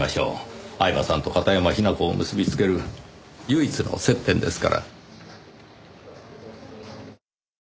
饗庭さんと片山雛子を結び付ける唯一の接点ですから。